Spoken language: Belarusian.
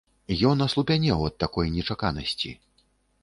Ён аслупянеў ад такой нечаканасці.